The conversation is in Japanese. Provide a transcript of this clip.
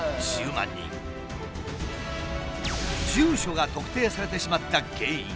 住所が特定されてしまった原因。